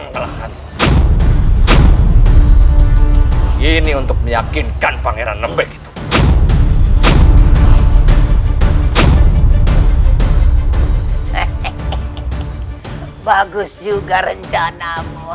baru kali ini aku melihat jurus ini